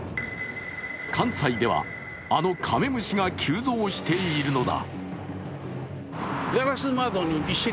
関西ではあのカメムシが急増しているのだ。